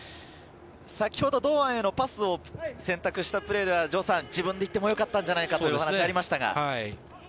堂安へのパスを先ほど選択したプレーでは自分で行ってもよかったんじゃないかという話がありましたが。